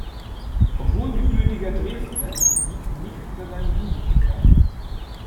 Obwohl gebürtiger Dresdner, ist so gut wie nichts über seine Jugend bekannt.